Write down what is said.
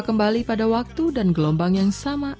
kembali pada waktu dan gelombang yang sama